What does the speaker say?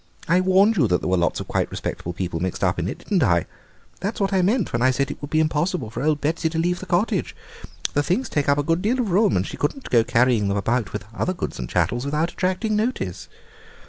I warned you that there were lots of quite respectable people mixed up in it, didn't I? That's what I meant when I said it would be impossible for old Betsy to leave the cottage; the things take up a good bit of room, and she couldn't go carrying them about with her other goods and chattels without attracting notice.